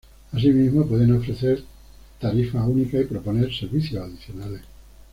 Asimismo, pueden ofrecer tarifas únicas y proponer servicios adicionales.